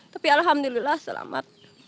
tapi alhamdulillah selamat